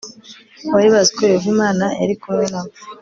Bari bazi ko Yehova Imana yari kumwe na bo